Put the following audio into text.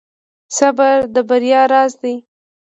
• صبر د بریا راز دی.